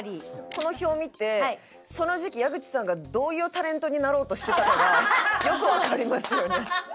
この表を見てその時期矢口さんがどういうタレントになろうとしてたかがよくわかりますよね。